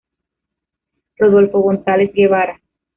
Rodolfo González Guevara.